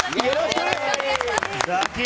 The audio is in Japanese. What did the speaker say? よろしくお願いします。